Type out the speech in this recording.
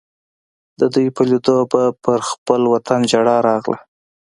د دوی په لیدو به پر خپل وطن ژړا راغله.